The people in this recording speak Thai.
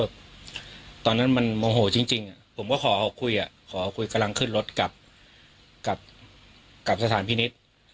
ตอนนั้นมันโมโหจริงผมก็ขอออกคุยขอคุยกำลังขึ้นรถกลับสถานพินิษฐ์